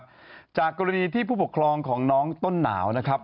ขอบคุณผู้ชมครับจากกรณีที่ผู้ปกครองของน้องต้นหนาวนะครับ